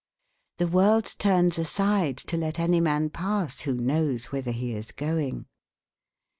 "The world turns aside to let any man pass who knows whither he is going."